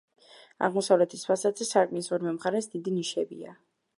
აღმოსავლეთის ფასადზე, სარკმლის ორივე მხარეს დიდი ნიშებია.